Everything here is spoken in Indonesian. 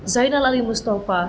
zainal ali musyidah